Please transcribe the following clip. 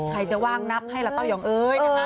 ใครจะว่างนับให้ละต้อยองเอ๊ย